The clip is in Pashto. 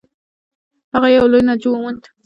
هغه یو لوی ناجو و موند.